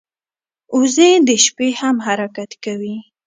وزې د شپې هم حرکت کوي